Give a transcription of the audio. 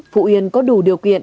phú yên có đủ điều kiện